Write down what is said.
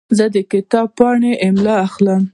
زه د کتاب پاڼې املا اخلم.